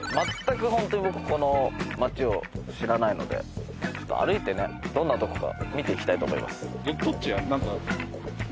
ホントに僕ここの街を知らないので歩いてどんなとこか見ていきたいと思います。